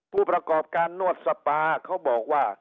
ผู้ประกอบการนวดสปาเขาบอกว่า